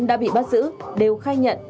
đã bị bắt giữ đều khai nhận